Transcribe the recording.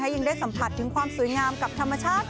ยังได้สัมผัสถึงความสวยงามกับธรรมชาติ